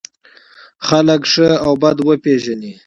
خلک ښه او بد وپېژني.